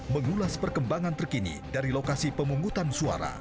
mengulas perkembangan terkini dari lokasi pemungutan suara